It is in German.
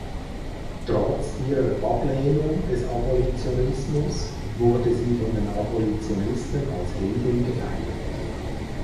Trotz ihrer Ablehnung des Abolitionismus wurde sie von den Abolitionisten als Heldin gefeiert.